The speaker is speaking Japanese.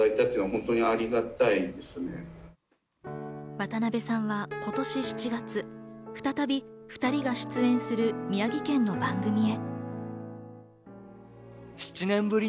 渡辺さんは今年７月、再び２人が出演する宮城県の番組へ。